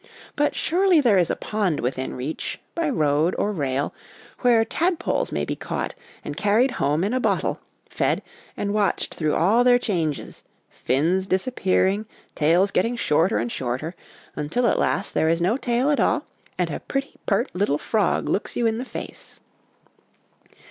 But surely there is a pond within reach by road or rail where tadpoles may be caught, and carried home in a bottle, fed, and watched through all their changes fins dis appearing, tails getting shorter and shorter, until at last there is no tail at all, and a pretty pert little frog looks you in the face.